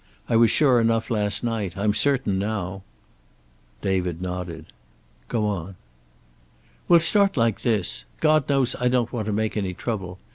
I was sure enough last night. I'm certain now." David nodded. "Go on." "We'll start like this. God knows I don't want to make any trouble.